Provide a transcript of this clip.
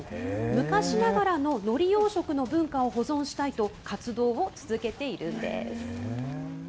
昔ながらののり養殖の文化を保存したいと、活動を続けているんです。